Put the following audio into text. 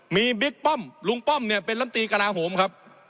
มีบิ๊กป้อมลุงป้อมเนี่ยเป็นลำตีกระลาโหมครับ